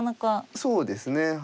そうですね。